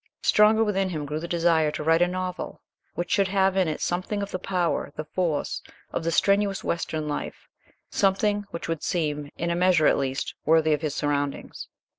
Stronger within him grew the desire to write a novel which should have in it something of the power, the force, of the strenuous western life, something which would seem, in a measure at least, worthy of his surroundings.